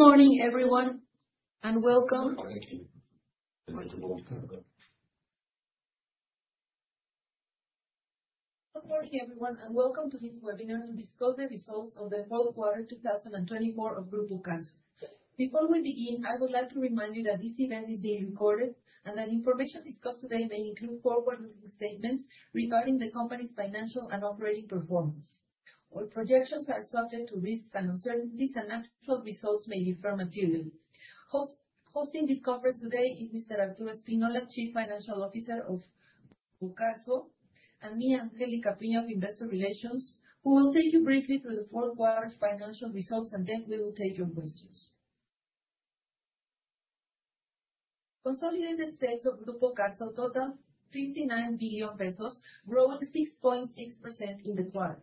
Good morning, everyone, and welcome. Good morning, everyone, and welcome to this webinar to discuss the results of the fourth quarter 2024 of Grupo Carso. Before we begin, I would like to remind you that this event is being recorded and that information discussed today may include forward-looking statements regarding the company's financial and operating performance. All projections are subject to risks and uncertainties, and actual results may differ materially. Hosting this conference today is Mr. Arturo Spínola, Chief Financial Officer of Grupo Carso, and me, Angélica Piña, of Investor Relations, who will take you briefly through the fourth quarter financial results, and then we will take your questions. Consolidated sales of Grupo Carso totaled 59 billion pesos, growing 6.6% in the quarter.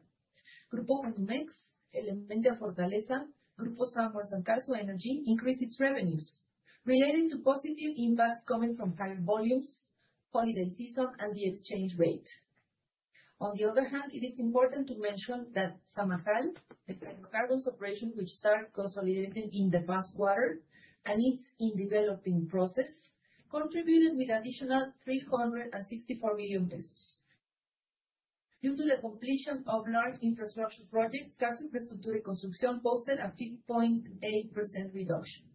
Grupo Condumex, Elementia-Fortaleza, Grupo Sanborns, Carso Energy increased its revenues related to positive impacts coming from higher volumes, holiday season, and the exchange rate. On the other hand, it is important to mention that Zamajal, the hydrocarbons operation which started consolidating in the past quarter and is in the developing process, contributed with an additional 364 billion pesos. Due to the completion of large infrastructure projects, Carso Infraestructura y Construcción posted a 5.8% reduction.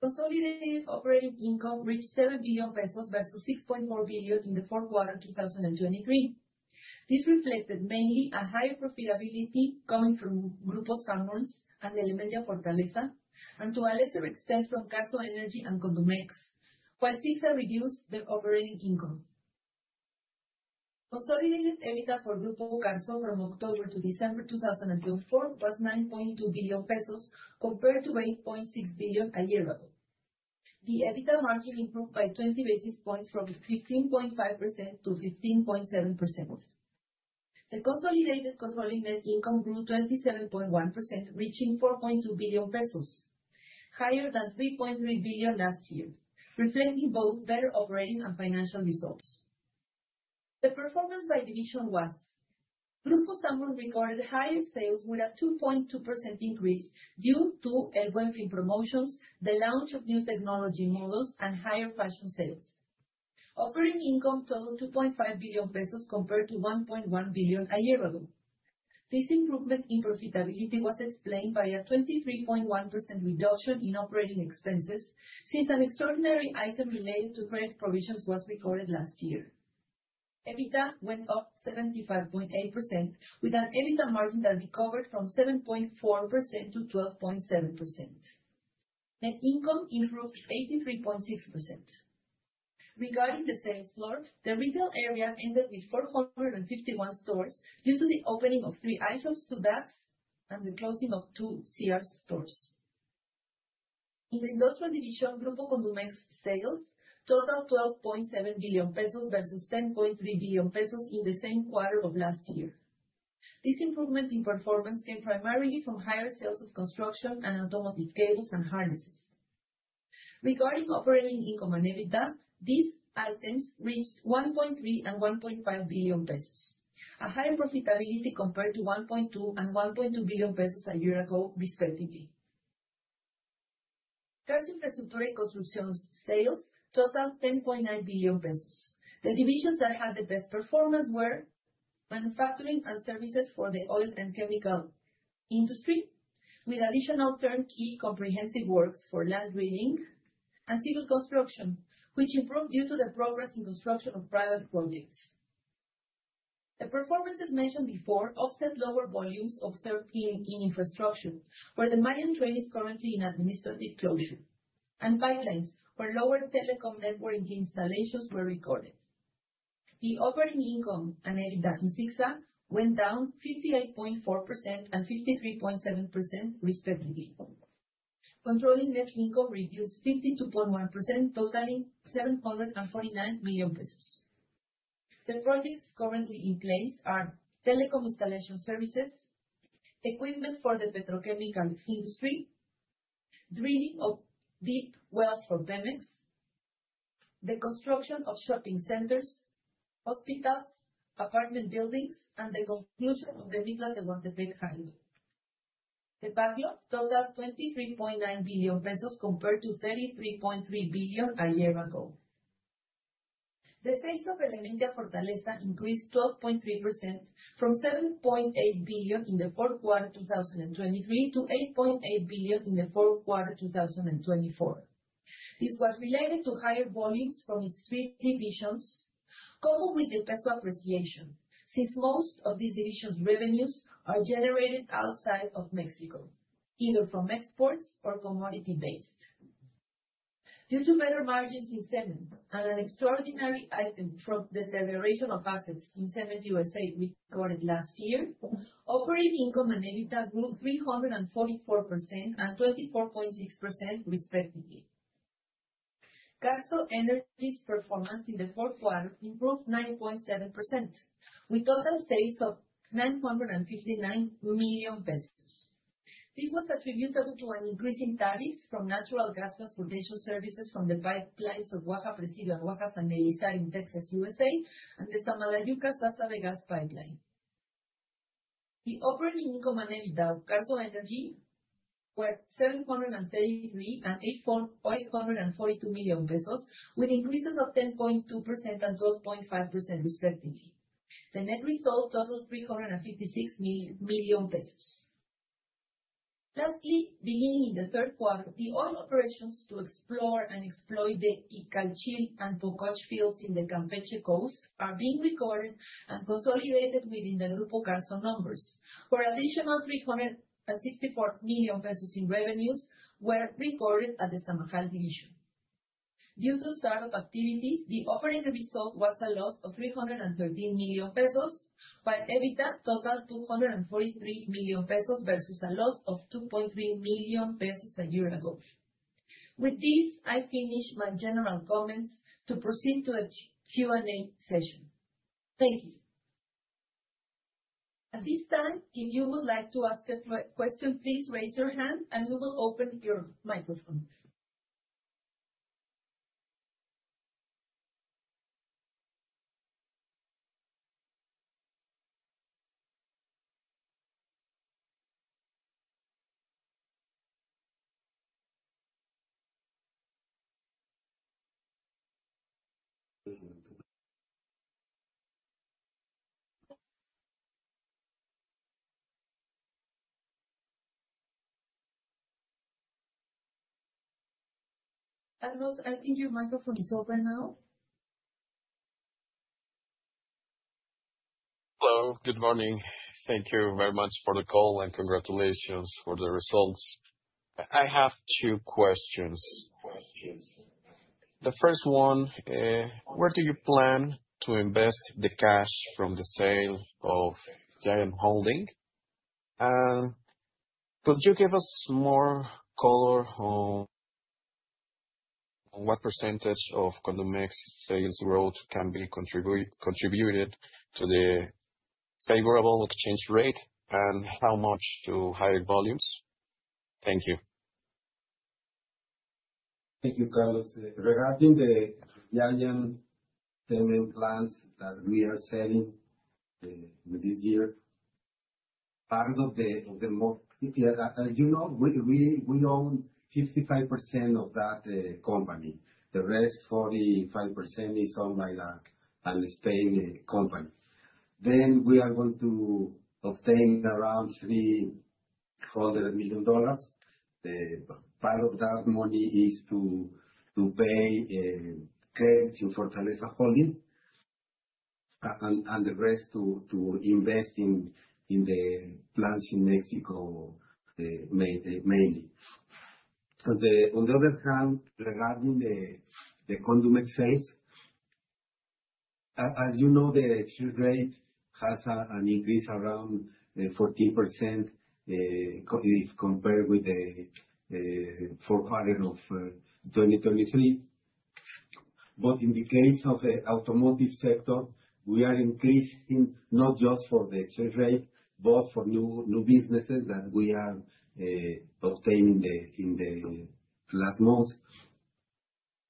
Consolidated operating income reached 7 billion pesos versus 6.4 billion in the fourth quarter 2023. This reflected mainly a higher profitability coming from Grupo Sanborns and Elementia-Fortaleza, and to a lesser extent from Carso Energy and Condumex, while CICSA reduced their operating income. Consolidated EBITDA for Grupo Carso from October to December 2024 was 9.2 billion pesos compared to 8.6 billion a year ago. The EBITDA margin improved by 20 basis points from 15.5% to 15.7%. The consolidated controlling net income grew 27.1%, reaching 4.2 billion pesos, higher than 3.3 billion last year, reflecting both better operating and financial results. The performance by division was. Grupo Sanborns recorded higher sales with a 2.2% increase due to El Buen Fin promotions, the launch of new technology models, and higher fashion sales. Operating income totaled 2.5 billion pesos compared to 1.1 billion a year ago. This improvement in profitability was explained by a 23.1% reduction in operating expenses since an extraordinary item related to credit provisions was recorded last year. EBITDA went up 75.8%, with an EBITDA margin that recovered from 7.4% to 12.7%. Net income improved 83.6%. Regarding the sales floor, the retail area ended with 451 stores due to the opening of three iShops, two DAX, and the closing of two Sears stores. In the industrial division, Grupo Condumex sales totaled 12.7 billion pesos versus 10.3 billion pesos in the same quarter of last year. This improvement in performance came primarily from higher sales of construction and automotive cables and harnesses. Regarding operating income and EBITDA, these items reached 1.3 billion and 1.5 billion pesos, a higher profitability compared to 1.2 billion and 1.2 billion pesos a year ago, respectively. Carso Infraestructura y Construcción sales totaled 10.9 billion pesos. The divisions that had the best performance were manufacturing and services for the oil and chemical industry, with additional turnkey comprehensive works for land reading and civil construction, which improved due to the progress in construction of private projects. The performances mentioned before offset lower volumes observed in infrastructure, where the Tren Maya is currently in administrative closure, and pipelines where lower telecom networking installations were recorded. The operating income and EBITDA in CICSA went down 58.4% and 53.7%, respectively. Controlling net income reduced 52.1%, totaling 749 million pesos. The projects currently in place are telecom installation services, equipment for the petrochemical industry, drilling of deep wells for Pemex, the construction of shopping centers, hospitals, apartment buildings, and the conclusion of the Mitla-Tehuantepec Highway. The backlog totaled 23.9 billion pesos compared to 33.3 billion a year ago. The sales of Elementia-Fortaleza increased 12.3% from 7.8 billion in the fourth quarter 2023 to 8.8 billion in the fourth quarter 2024. This was related to higher volumes from its three divisions, coupled with the peso appreciation, since most of these divisions' revenues are generated outside of Mexico, either from exports or commodity-based. Due to better margins in cement and an extraordinary item from the declaration of assets in cement USA recorded last year, operating income and EBITDA grew 344% and 24.6%, respectively. Carso Energy's performance in the fourth quarter improved 9.7%, with total sales of 959 million pesos. This was attributable to an increase in tariffs from natural gas transportation services from the pipelines of Waha-Presidio and Waha-San Elizario in Texas, USA, and the Samalayuca-Sásabe pipeline. The operating income and EBITDA of Carso Energy were 733 million and 842 million pesos, with increases of 10.2% and 12.5%, respectively. The net result totaled 356 million. Lastly, beginning in the third quarter, the oil operations to explore and exploit the Ichalkil and Pokoch fields in the Campeche coast are being recorded and consolidated within the Grupo Carso numbers, where additional 364 million pesos in revenues were recorded at the Zamajal division. Due to startup activities, the operating result was a loss of 313 million pesos, while EBITDA totaled 243 million pesos versus a loss of 2.3 million pesos a year ago. With this, I finish my general comments to proceed to the Q&A session. Thank you. At this time, if you would like to ask a question, please raise your hand and we will open your microphone. Carlos, I think your microphone is open now. Hello, good morning. Thank you very much for the call and congratulations for the results. I have two questions. The first one, where do you plan to invest the cash from the sale of Giant Cement Holding? And could you give us more color on what percentage of Condumex sales growth can be contributed to the favorable exchange rate and how much to higher volumes? Thank you. Thank you, Carlos. Regarding the Giant Cement Holding plants that we are selling this year, part of the, you know, we own 55% of that company. The rest, 45%, is owned by a Spanish company. Then we are going to obtain around $300 million. Part of that money is to pay credit to Fortaleza Holding and the rest to invest in the plants in Mexico mainly. On the other hand, regarding the Condumex sales, as you know, the exchange rate has an increase around 14% if compared with the fourth quarter of 2023. But in the case of the automotive sector, we are increasing not just for the exchange rate, but for new businesses that we are obtaining in the last months.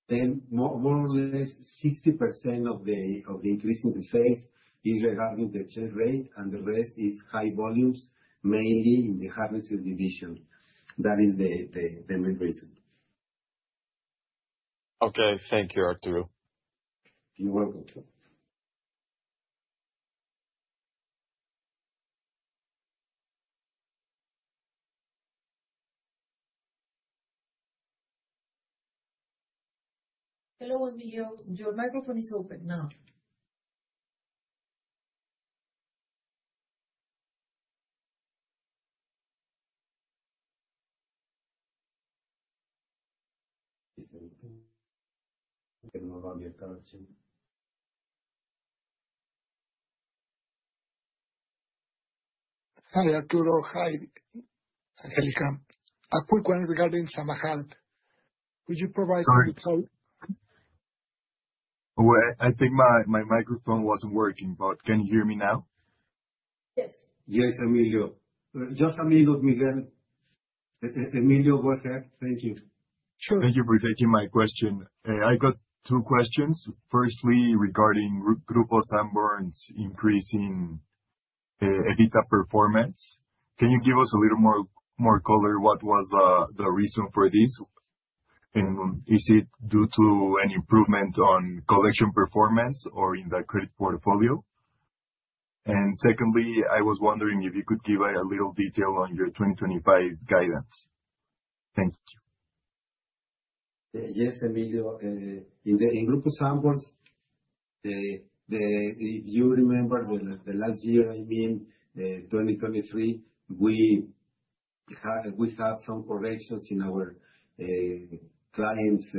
Then more or less 60% of the increase in the sales is regarding the exchange rate, and the rest is high volumes, mainly in the harnesses division. That is the main reason. Okay, thank you, Arturo. You're welcome. Hello, Emilio. Your microphone is open now. Hi, Arturo. Hi, Angélica. A quick one regarding Zamajal. Could you provide some details? I think my microphone wasn't working, but can you hear me now? Yes. Yes, Emilio. Just a minute, Miguel. Emilio, go ahead. Thank you. Sure. Thank you for taking my question. I got two questions. Firstly, regarding Grupo Sanborns' increase in EBITDA performance, can you give us a little more color what was the reason for this? And is it due to an improvement on collection performance or in the credit portfolio? And secondly, I was wondering if you could give a little detail on your 2025 guidance. Thank you. Yes, Emilio. In Grupo Sanborns, if you remember the last year, I mean 2023, we had some corrections in our clients'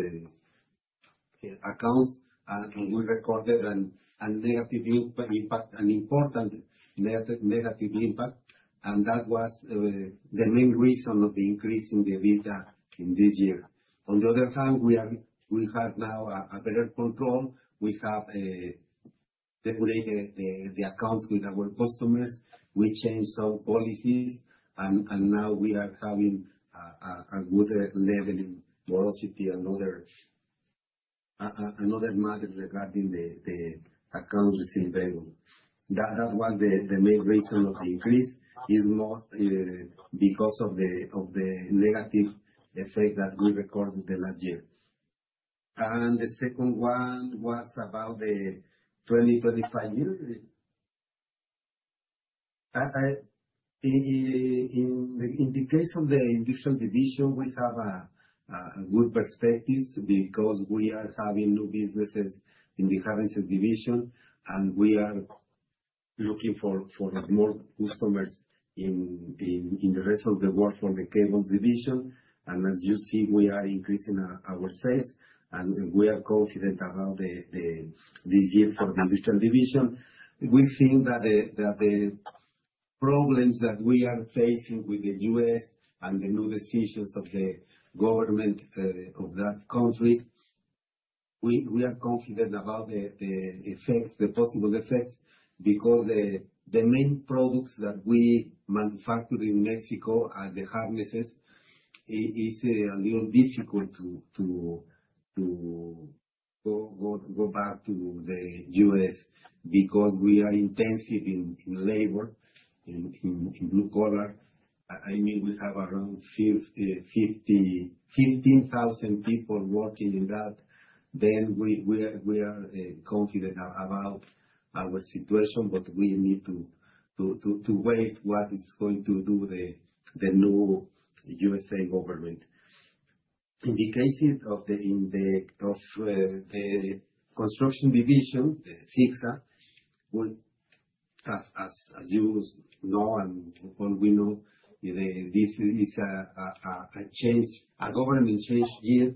accounts, and we recorded a negative impact, an important negative impact, and that was the main reason of the increase in the EBITDA in this year. On the other hand, we have now a better control. We have regulated the accounts with our customers. We changed some policies, and now we are having a good level in bureaus and other matters regarding the accounts that are available. That was the main reason of the increase, is mostly because of the negative effect that we recorded the last year. And the second one was about the 2025 year. In the case of the industrial division, we have good perspectives because we are having new businesses in the harnesses division, and we are looking for more customers in the rest of the world for the cables division, and as you see, we are increasing our sales, and we are confident about this year for the industrial division. We think that the problems that we are facing with the U.S. and the new decisions of the government of that country, we are confident about the effects, the possible effects, because the main products that we manufacture in Mexico, the harnesses, is a little difficult to go back to the U.S. because we are intensive in labor, in blue-collar. I mean, we have around 15,000 people working in that, then we are confident about our situation, but we need to wait what is going to do the new USA government. In the case of the construction division, the CICSA, as you know and all we know, this is a government change year.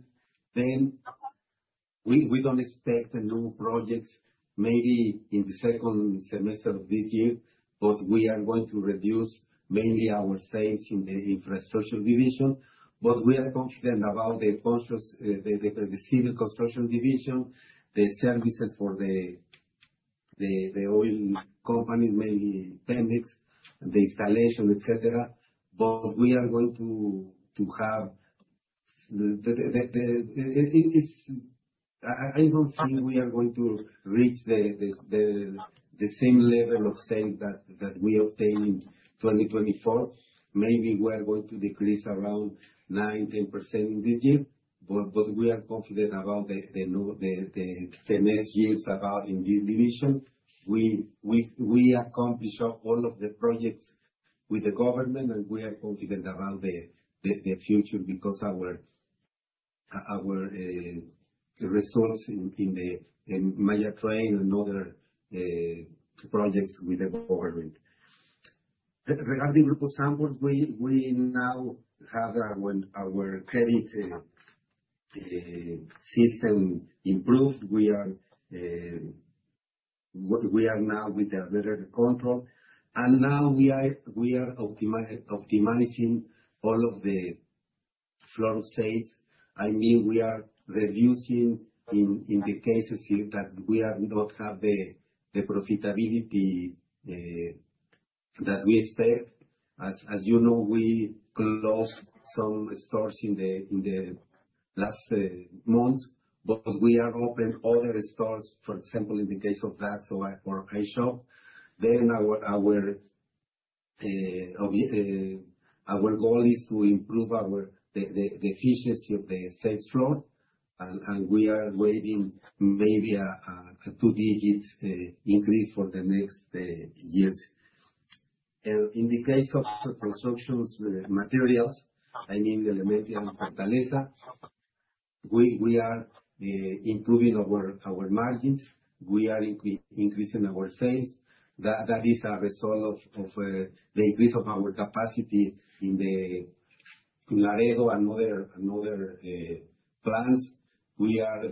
We don't expect the new projects maybe in the second semester of this year, but we are going to reduce mainly our sales in the infrastructure division. We are confident about the civil construction division, the services for the oil companies, mainly Pemex, the installation, etc. We are going to have. I don't think we are going to reach the same level of sales that we obtained in 2024. Maybe we are going to decrease around 9%-10% this year, but we are confident about the next years in this division. We accomplish all of the projects with the government, and we are confident about the future because of our results in the Mayan train and other projects with the government. Regarding Grupo Sanborns, we now have our credit system improved. We are now with a better control, and now we are optimizing all of the floor sales. I mean, we are reducing in the cases that we do not have the profitability that we expect. As you know, we closed some stores in the last months, but we are opening other stores, for example, in the case of Saks or iShop. Then our goal is to improve the efficiency of the sales floor, and we are waiting maybe a two-digit increase for the next years. In the case of construction materials, I mean, Elementia and Fortaleza, we are improving our margins. We are increasing our sales. That is a result of the increase of our capacity in Laredo and other plants. We are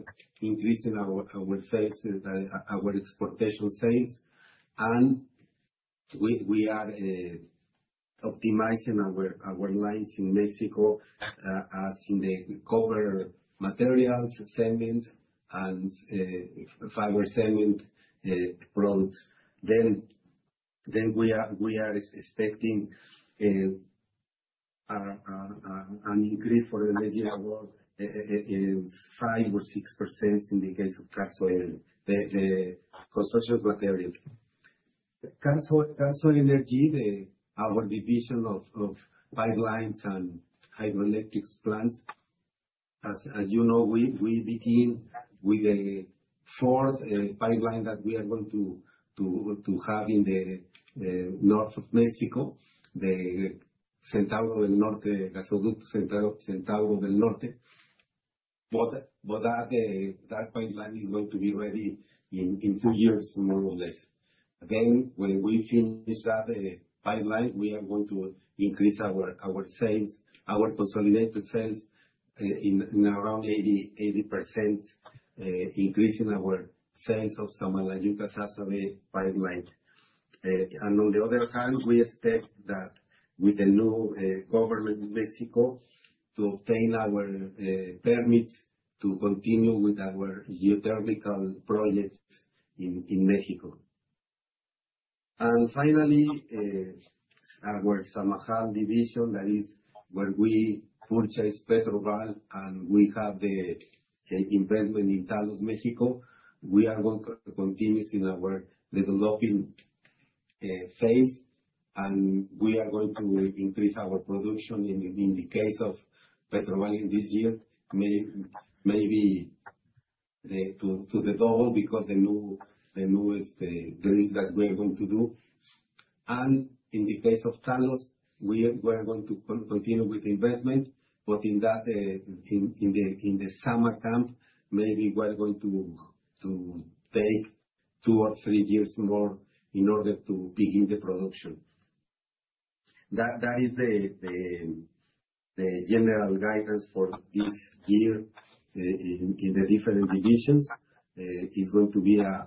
increasing our sales, our exportation sales, and we are optimizing our lines in Mexico as in the copper materials, cement, and fiber cement products. We are expecting an increase for the next year's work of 5% or 6% in the case of Carso Energy, the construction materials. Carso Energy, our division of pipelines and hydroelectric plants, as you know, we begin with the fourth pipeline that we are going to have in the north of Mexico, the Centauro del Norte, Centauro del Norte. That pipeline is going to be ready in two years, more or less. When we finish that pipeline, we are going to increase our sales, our consolidated sales in around 80%, increasing our sales of Samalayuca-Sásabe pipeline. On the other hand, we expect that with the new government in Mexico to obtain our permits to continue with our geothermal projects in Mexico. Finally, our Zamajal division, that is where we purchase PetroBal, and we have the investment in Talos, Mexico. We are going to continue in our developing phase, and we are going to increase our production in the case of PetroBal in this year, maybe to the double because of the newest drills that we are going to do. In the case of Talos, we are going to continue with the investment, but in the Zama camp, maybe we are going to take two or three years more in order to begin the production. That is the general guidance for this year in the different divisions. It's going to be a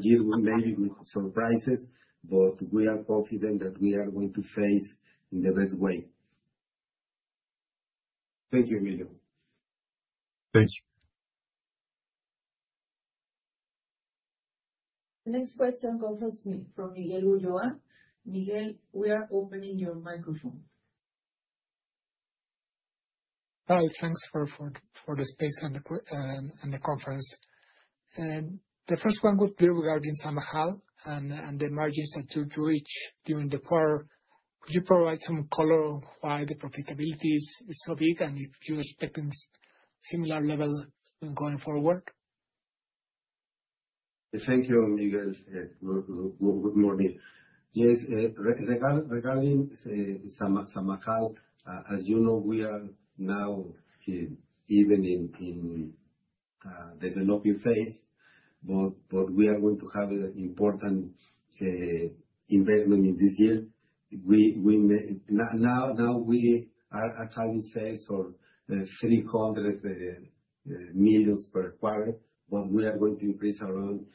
year maybe with surprises, but we are confident that we are going to face in the best way. Thank you, Emilio. Thank you. The next question comes from Miguel Ulloa. Miguel, we are opening your microphone. Hi. Thanks for the space and the conference. The first one would be regarding Zamajal and the margins that you reached during the quarter. Could you provide some color why the profitability is so big, and if you're expecting similar levels going forward? Thank you, Miguel. Good morning. Yes, regarding Zamajal, as you know, we are now even in the developing phase, but we are going to have an important investment in this year. Now we are having sales for 300 million per quarter, but we are going to increase around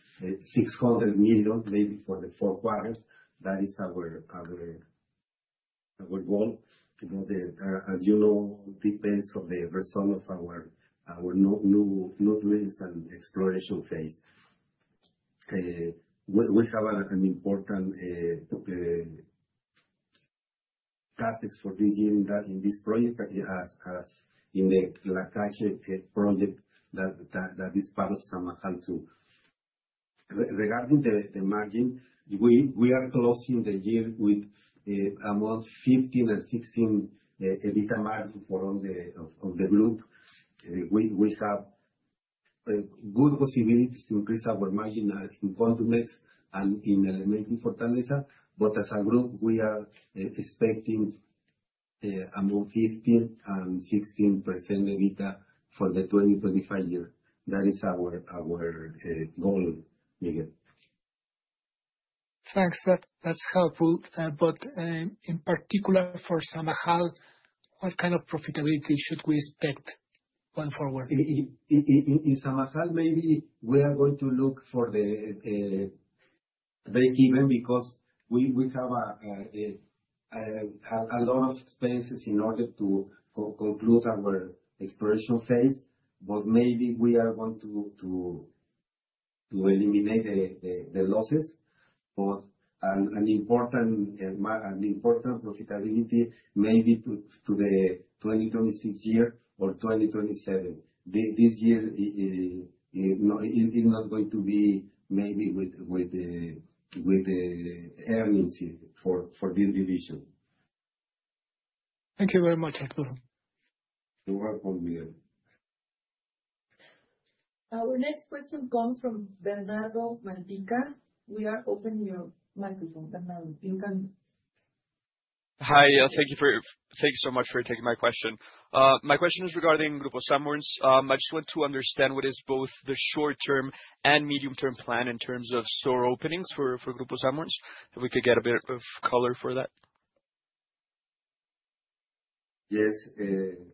600 million maybe for the fourth quarter. That is our goal. As you know, it depends on the result of our new drills and exploration phase. We have an important task for this year in this project as in the Lakach project that is part of Zamajal too. Regarding the margin, we are closing the year with about 15%-16% EBITDA margins for the group. We have good possibilities to increase our margin in Condumex and in Elementia-Fortaleza, but as a group, we are expecting about 15%-16% EBITDA for the 2025 year. That is our goal, Miguel. Thanks. That's helpful. But in particular for Zamajal, what kind of profitability should we expect going forward? In Zamajal, maybe we are going to look for the breakeven because we have a lot of expenses in order to conclude our exploration phase, but maybe we are going to eliminate the losses. But an important profitability may be to the 2026 year or 2027. This year is not going to be maybe with the earnings for this division. Thank you very much, Arturo. You're welcome, Miguel. Our next question comes from Bernardo Malpica. We are opening your microphone, Bernardo. You can. Hi. Thank you so much for taking my question. My question is regarding Grupo Sanborns. I just want to understand what is both the short-term and medium-term plan in terms of store openings for Grupo Sanborns. If we could get a bit of color for that. Yes.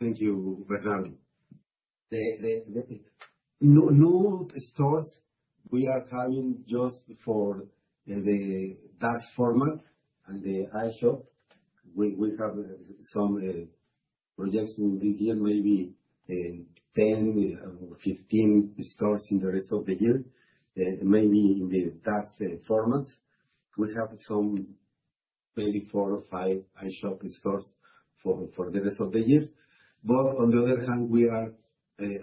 Thank you, Bernardo. New stores, we are having just for the DAX format and the iShop. We have some projects in this year, maybe 10 or 15 stores in the rest of the year, maybe in the DAX format. We have maybe four or five iShop stores for the rest of the year. But on the other hand, we are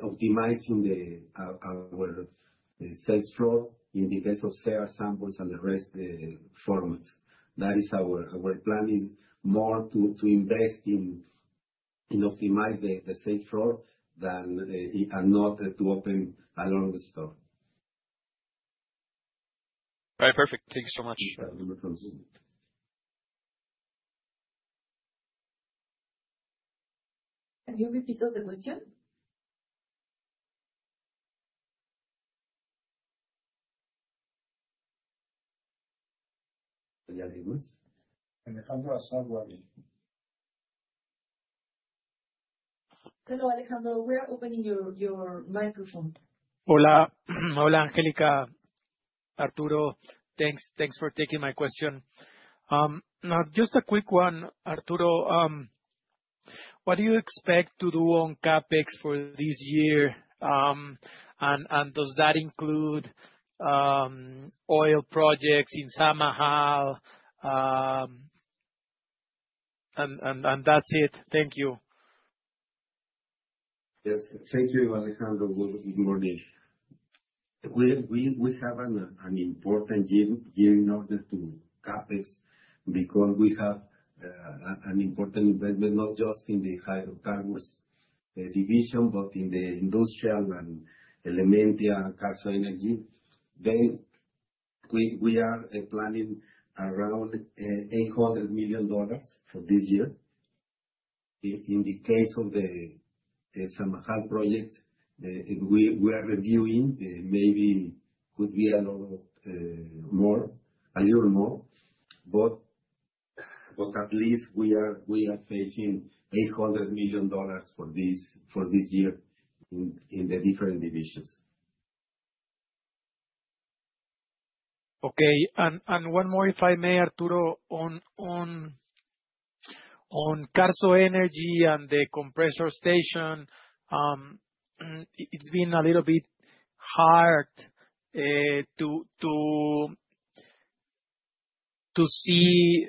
optimizing our sales floor in the case of Sears Sanborns and the retail formats. That is our plan, is more to invest in optimizing the sales floor than not to open a long store. All right. Perfect. Thank you so much. Can you repeat the question? Alejandro Azar Wabi. Hello, Alejandro. We are opening your microphone. Hola. Hola, Angélica. Arturo, thanks for taking my question. Just a quick one, Arturo. What do you expect to do on CapEx for this year? And does that include oil projects in Zamajal? And that's it. Thank you. Yes. Thank you, Alejandro. Good morning. We have an important year in order to CapEx because we have an important investment not just in the hydrocarbons division, but in the industrial and Elementia and Carso Energy, then we are planning around $800 million for this year. In the case of the Zamajal projects, we are reviewing. Maybe could be a little more, a little more. But at least we are facing $800 million for this year in the different divisions. Okay. And one more, if I may, Arturo, on Carso Energy and the compressor station, it's been a little bit hard to see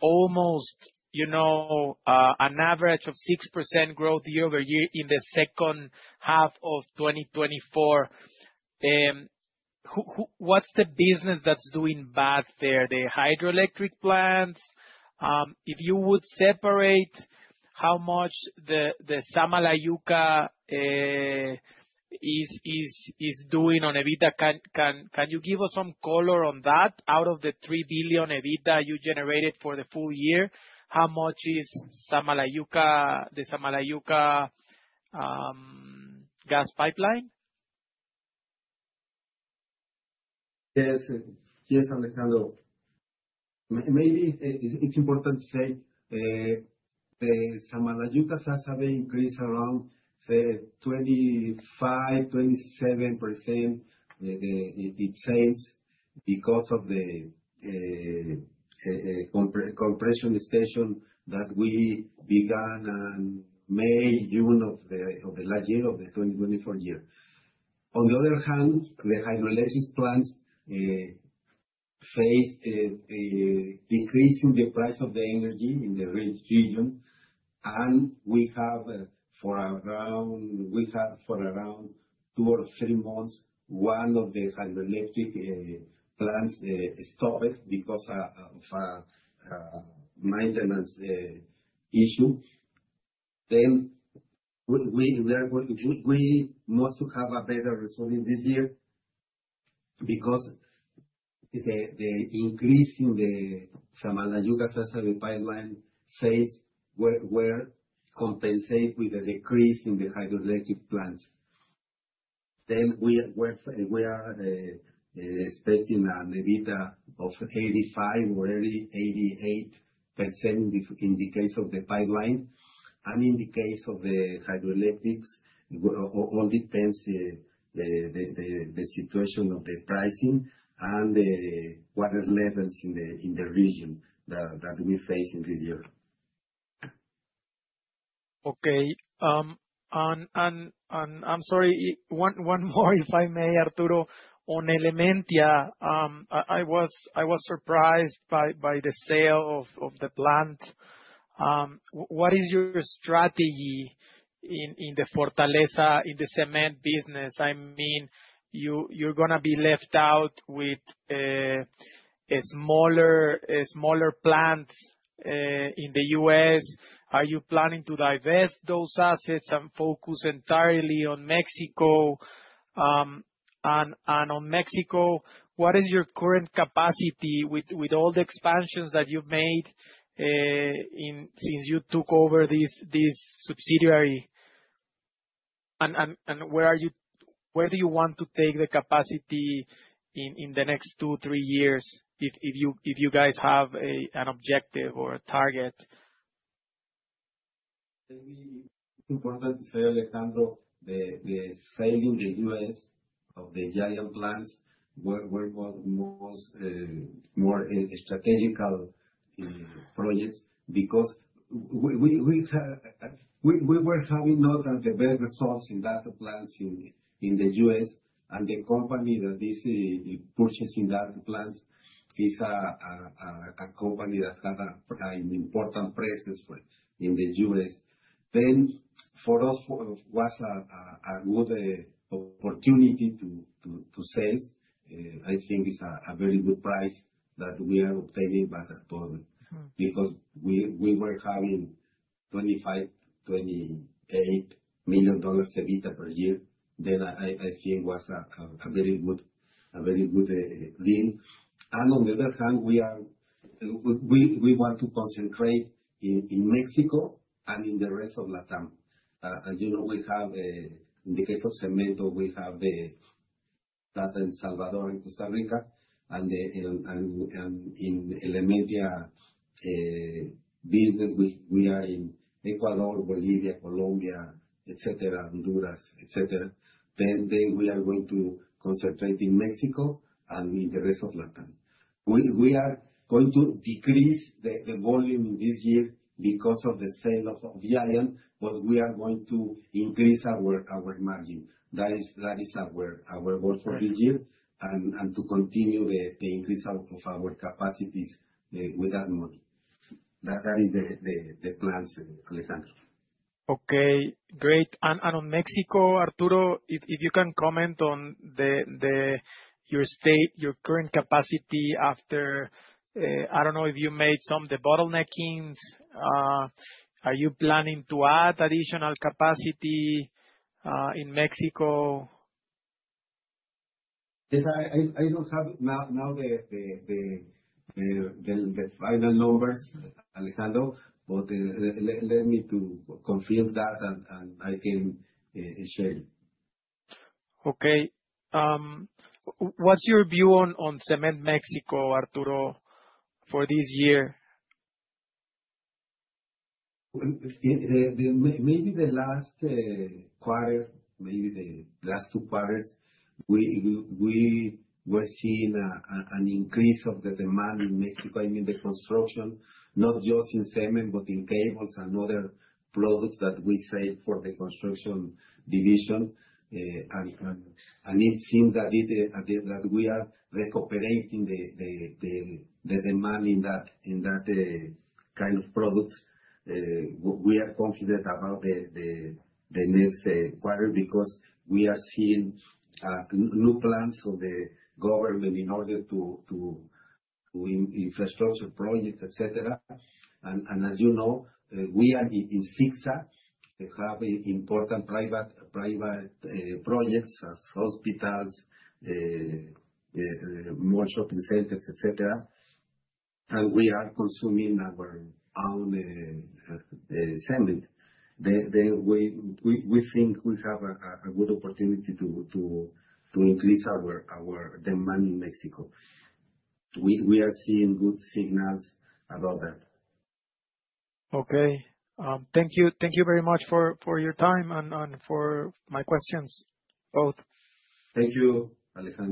almost an average of 6% growth year over year in the second half of 2024. What's the business that's doing bad there? The hydroelectric plants. If you would separate how much the Samalayuca is doing on EBITDA, can you give us some color on that? Out of the 3 billion EBITDA you generated for the full year, how much is the Samalayuca gas pipeline? Yes, Alejandro. Maybe it's important to say the Samalayuca-Sásabe increased around 25%-27% in sales because of the compression station that we began in May, June of the last year, of the 2024 year. On the other hand, the hydroelectric plants faced a decrease in the price of the energy in the region, and we have for around two or three months, one of the hydroelectric plants stopped because of a maintenance issue. We must have a better result in this year because the increase in the Samalayuca-Sásabe pipeline sales were compensated with a decrease in the hydroelectric plants. We are expecting an EBITDA of 85 or 88% in the case of the pipeline, and in the case of the hydroelectrics, it all depends on the situation of the pricing and the water levels in the region that we face in this year. Okay. And I'm sorry, one more if I may, Arturo. On Elementia, I was surprised by the sale of the plant. What is your strategy in the Fortaleza, in the cement business? I mean, you're going to be left out with smaller plants in the U.S. Are you planning to divest those assets and focus entirely on Mexico? And on Mexico, what is your current capacity with all the expansions that you've made since you took over this subsidiary? And where do you want to take the capacity in the next two, three years if you guys have an objective or a target? It's important to say, Alejandro, the sale in the U.S. of the giant plants were more strategic projects because we were having not the best results in that plants in the U.S. The company that is purchasing that plant is a company that had an important presence in the U.S. Then for us, it was a good opportunity to sell. I think it's a very good price that we are obtaining by the dollar because we were having MXN 25 million-MXN 28 million EBITDA per year. Then I think it was a very good deal. On the other hand, we want to concentrate in Mexico and in the rest of Latam. As you know, in the case of Cementos, we have that in El Salvador and Costa Rica. In Elementia business, we are in Ecuador, Bolivia, Colombia, etc., Honduras, etc. Then we are going to concentrate in Mexico and in the rest of Latam. We are going to decrease the volume this year because of the sale of Giant Cement Holding, but we are going to increase our margin. That is our goal for this year and to continue the increase of our capacities with that money. That is the plans, Alejandro. Okay. Great. And on Mexico, Arturo, if you can comment on your current capacity after, I don't know if you made some debottleneckings. Are you planning to add additional capacity in Mexico? Yes. I don't have now the final numbers, Alejandro, but let me confirm that and I can share. Okay. What's your view on Cement Mexico, Arturo, for this year? Maybe the last quarter, maybe the last two quarters, we were seeing an increase of the demand in Mexico. I mean, the construction, not just in cement, but in cables and other products that we sell for the construction division. And it seems that we are recuperating the demand in that kind of products. We are confident about the next quarter because we are seeing new plans of the government in order to do infrastructure projects, etc. And as you know, we are in CICSA having important private projects as hospitals, more shopping centers, etc. And we are consuming our own cement. Then we think we have a good opportunity to increase our demand in Mexico. We are seeing good signals about that. Okay. Thank you very much for your time and for my questions, both. Thank you, Alejandro.